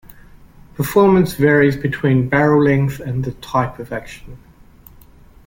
Performance varies between barrel length and the type of action.